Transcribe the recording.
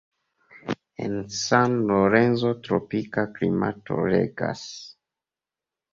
En San Lorenzo tropika klimato regas.